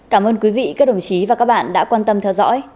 cảm ơn quý vị các đồng chí và các bạn đã quan tâm theo dõi